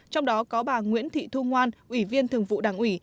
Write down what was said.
trong đó có bà nguyễn thị thu ngoan ủy viên thường vụ đảng ủy